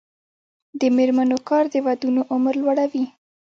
د میرمنو کار د ودونو عمر لوړوي.